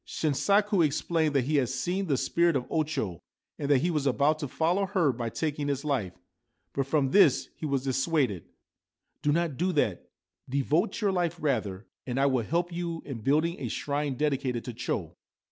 Shinsaku explained that he had seen the spirit of O Cho, and that he was about to follow her by taking his life ; but from this he was dissuaded. 4 Do not do that ; devote your life, rather, and I will help with you in building a shrine dedicated to Cho.